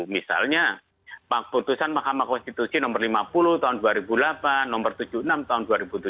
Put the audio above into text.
misalnya putusan mahkamah konstitusi nomor lima puluh tahun dua ribu delapan nomor tujuh puluh enam tahun dua ribu tujuh belas